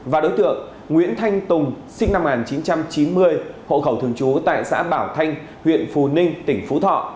và đối tượng nguyễn thanh tùng sinh năm một nghìn chín trăm chín mươi hộ khẩu thường trú tại xã bảo thanh huyện phù ninh tỉnh phú thọ